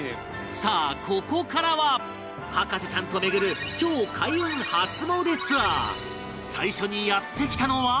さあここからは博士ちゃんと巡る超開運初詣ツアー最初にやって来たのは